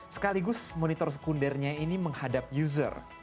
sekaligus monitor sekundernya ini menghadap user